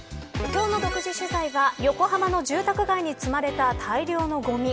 今日の独自取材は横浜の住宅街に積まれた大量のごみ。